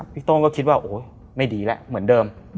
โต้งก็คิดว่าโอ๊ยไม่ดีแล้วเหมือนเดิม